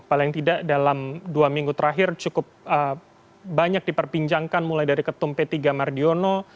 paling tidak dalam dua minggu terakhir cukup banyak diperbincangkan mulai dari ketum p tiga mardiono